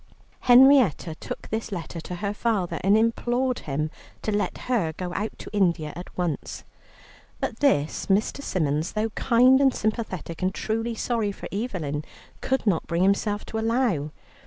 Henrietta took this letter to her father, and implored him to let her go out to India at once. But this Mr. Symons, though kind and sympathetic and truly sorry for Evelyn, could not bring himself to allow.